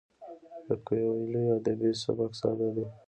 د کویلیو ادبي سبک ساده دی.